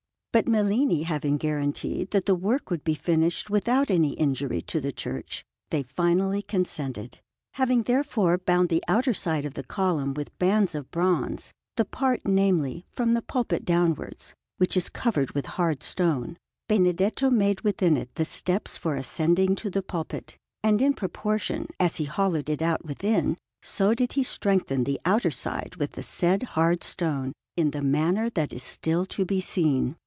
But Mellini having guaranteed that the work would be finished without any injury to the church, they finally consented. Having, therefore, bound the outer side of the column with bands of bronze (the part, namely, from the pulpit downwards, which is covered with hard stone), Benedetto made within it the steps for ascending to the pulpit, and in proportion as he hollowed it out within, so did he strengthen the outer side with the said hard stone, in the manner that is still to be seen.